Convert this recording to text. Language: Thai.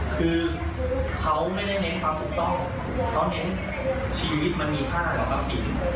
คือเขาไม่ได้เน้นความถูกต้องเขาเน้นชีวิตมันมีค่าต่อทรัพย์สิน